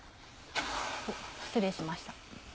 失礼しました。